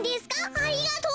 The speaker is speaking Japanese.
ありがとう。